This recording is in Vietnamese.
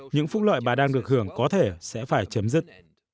những phúc lợi bà đang được hưởng có thể sẽ phải chấm dứt